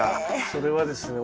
それはですね